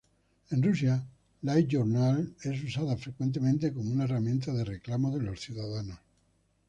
En Rusia, LiveJournal es usada frecuentemente como una herramienta de reclamo de los ciudadanos.